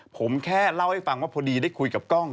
ผมแค่เล่าให้ฟังว่าพอดีได้คุยกับกล้อง